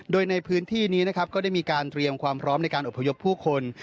โดยในพื้นที่นี้นะครับก็ได้มีการเตรียมความพร้อมในการอบพยพผู้คน